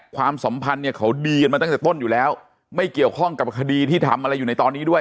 ความสัมพันธ์เนี่ยเขาดีกันมาตั้งแต่ต้นอยู่แล้วไม่เกี่ยวข้องกับคดีที่ทำอะไรอยู่ในตอนนี้ด้วย